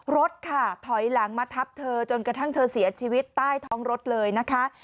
รถค่ะถอยหลังมาทับเธอจนกระทั่งเธอเสียชีวิตใต้ท้องรถเลยนะคะ